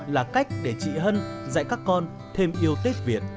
là cách để chị hân dạy các con thêm yêu tết việt